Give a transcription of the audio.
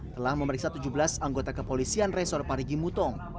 telah memeriksa tujuh belas anggota kepolisian resor parigi mutong